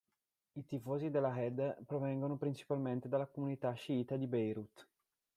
I tifosi dell'Ahed provengono principalmente dalla comunità sciita di Beirut.